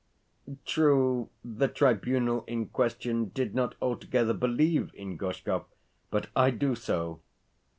True, the tribunal in question did not altogether believe in Gorshkov, but I do so.